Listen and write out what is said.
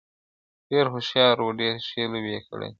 ډېر هوښیار وو ډېري ښې لوبي یې کړلې!.